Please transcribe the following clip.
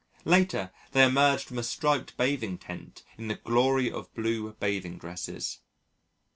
Later they emerged from a striped bathing tent in the glory of blue bathing dresses.